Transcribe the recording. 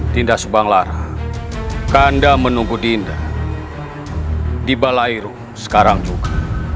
dinda subang lara kanda menunggu dinda di balairu sekarang juga